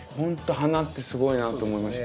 花ってすごいなと思いました。